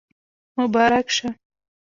مبارک شه